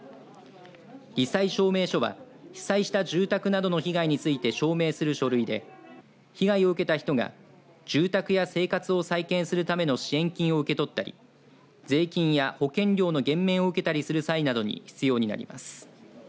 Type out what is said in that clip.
り災証明書は被災した住宅などの被害について証明する書類で被害を受けた人が住宅や生活を再建するための支援金を受け取ったり税金や保険料の減免を受けたりする際などに必要になります。